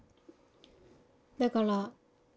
だから。